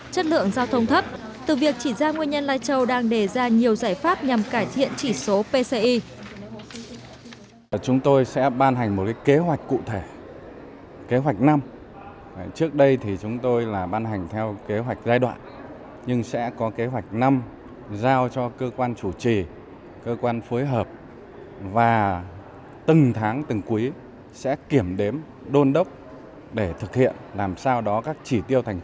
chất lượng giao thông thấp từ việc chỉ ra nguyên nhân lai châu đang đề ra nhiều giải pháp nhằm cải thiện chỉ số pci